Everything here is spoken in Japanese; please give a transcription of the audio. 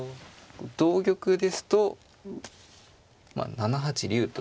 同玉ですとまあ７八竜と。